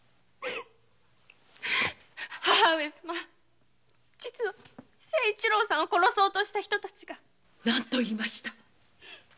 母上様実は清一郎さんを殺そうとした人たちが何と言いました？